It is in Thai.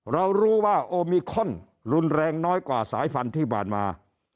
เรารู้ว่าโอมิคอนรุนแรงน้อยกว่าสายพันธุ์ที่ผ่านมา